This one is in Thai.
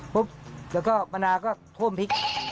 ปุ๊บแล้วก็มะนาก็ท่วมพริก